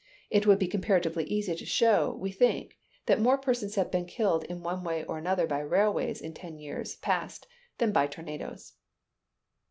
It would be comparatively easy to show, we think, that more persons have been killed in one way or another by railways in ten years past than by tornadoes.